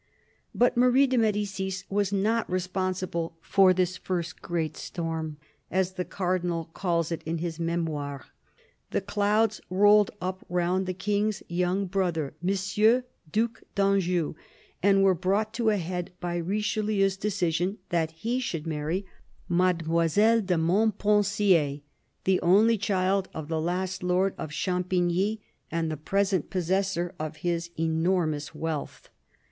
But Marie de Medicis was not responsible for this first great " storm," as the Cardinal calls it in his Memoirs. The clouds rolled up round the King's young brother. Monsieur, Due d'Anjou, and were brought to a head by Richelieu's decision that he should marry Mademoiselle de GASTON DE FRANCE, DUC D'ORLEANS THE CARDINAL 163 Montpensier, the only child of the last lord of Champigny and the present possessor of his enormous wealth.